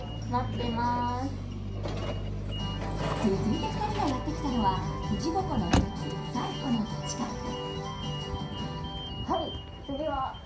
続いて２人がやってきたのは富士五湖の１つ西湖の近く。